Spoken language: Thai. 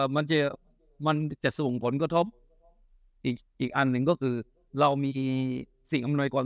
มันจะมันจะส่งผลกระทบอีกอันหนึ่งก็คือเรามีสิ่งอำนวยก่อน